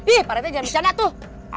ih pak rt jangan bercanda tuh